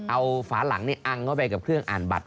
เอาฝาหลังอังเข้าไปกับเครื่องอ่านบัตร